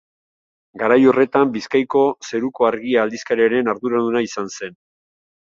Garai horretan, Bizkaiko Zeruko Argia aldizkariaren arduraduna izan zen.